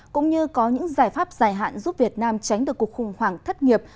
cũng như có những giải pháp dài hạn giúp việt nam tránh được cuộc khủng hoảng thất nghiệp